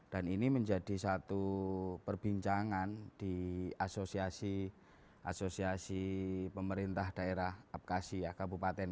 dan ini menjadi satu perbincangan di asosiasi pemerintah daerah apkasi ya kabupaten